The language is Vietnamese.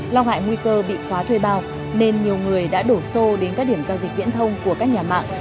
lo ngại nguy cơ bị khóa thuê bao nên nhiều người đã đổ xô đến các điểm giao dịch viễn thông của các nhà mạng